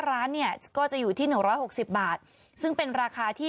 ร้านเนี่ยก็จะอยู่ที่หนึ่งร้อยหกสิบบาทซึ่งเป็นราคาที่